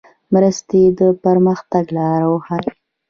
مرستې د پرمختګ لار ورښیي.